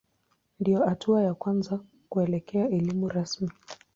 Ndiyo hatua ya kwanza kuelekea elimu rasmi.